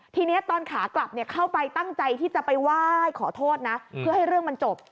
ทีนี้ตอนขากลับเข้าไปตั้งใจที่จะไปไหว้ขอโทษนะเพื่อให้เรื่องมันจบ